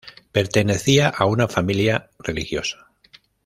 Pertenecía a una familia religiosa.